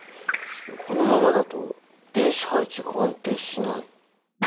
このままだと電子配置が安定しない。